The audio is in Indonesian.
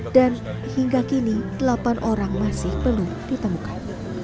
dan hingga kini delapan orang masih belum ditemukan